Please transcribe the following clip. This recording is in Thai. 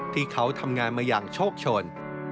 ที่เขาทำงานมาอย่างโชคชน